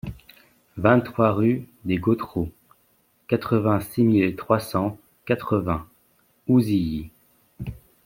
vingt-trois rue des Gautreaux, quatre-vingt-six mille trois cent quatre-vingts Ouzilly